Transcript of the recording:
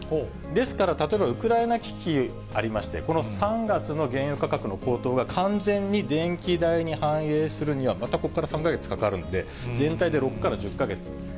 ですから、例えば、ウクライナ危機、ありまして、この３月の原油価格の高騰が完全に電気代に反映するには、またここから３か月かかるんで、全体で６から１０か月。